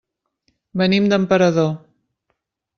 Venim d'Emperador.